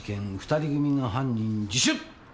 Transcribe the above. ２人組の犯人自首」！